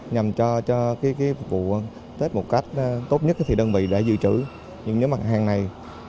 nhằm cho phục vụ tết một cách tốt nhất thì đơn vị đã dự trữ những nhóm mặt hàng này